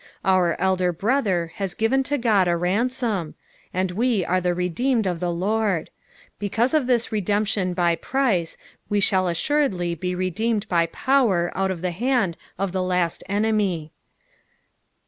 Onr Elder Brother has given to Ood a ransom, and we are the redeemed of the Lord : because of this redemption by price we shall assnredly be redeemed by power out of the hand of the last enemy.